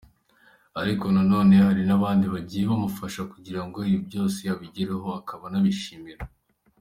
Ariko nanone hari n’abandi bagiye bamufasha kugira ngo ibi byose abigereho ; akaba anabashimira.